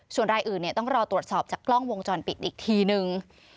ส่วนรายอื่นต้องรอตรวจสอบจากกล้องวงจรปิดอีกทีนึง